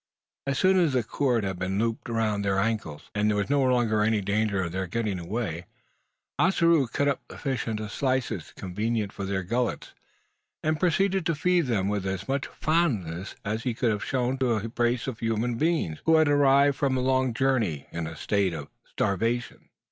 As soon as the cord had been looped round their ankles, and there was no longer any danger of their getting away, Ossaroo cut up the fish into slices convenient for their gullets; and proceeded to feed them with as much fondness as he could have shown to a brace of human beings, who had arrived from a long journey in a state of starvation.